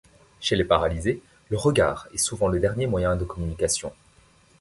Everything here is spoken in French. Chez les paralysés, le regard est souvent le dernier moyen de communication.